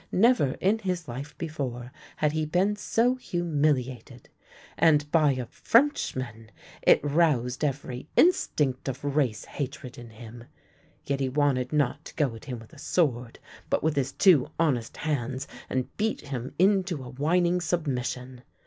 Never in his life before had he been so humili ated. And by a Frenchman! it roused every instinct of race hatred in him. Yet he wanted not to go at him with a sword, but with his two honest hands and beat him into a whining submission.